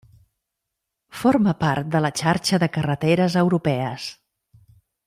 Forma part de la xarxa de carreteres europees.